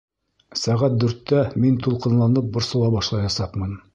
Сәғәт дүрттә мин тулҡынланып борсола башлаясаҡмын.